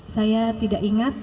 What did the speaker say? saya tidak ingat